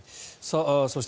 そして、